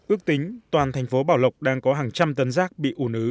ước tính toàn thành phố bảo lộc đang có hàng trăm tấn rác bị ùn ứ